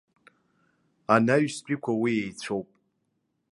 Анаҩстәиқәа уи еицәоуп.